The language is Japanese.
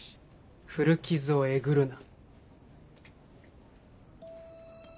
古傷をえぐるな。